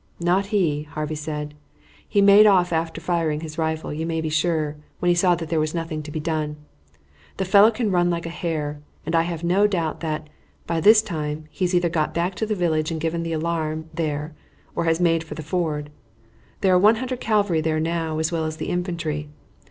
"Not he," Harvey said. "He made off after firing his rifle, you may be sure, when he saw that there was nothing to be done. The fellow can run like a hare, and I have no doubt that, by this time, he has either got back to the village and given the alarm there or has made for the ford. There are 100 cavalry there now as well as the infantry.